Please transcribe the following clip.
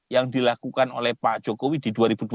yang dilakukan oleh pak jokowi di dua ribu dua puluh